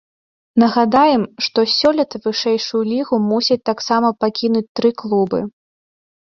Нагадаем, што сёлета вышэйшую лігу мусяць таксама пакінуць тры клубы.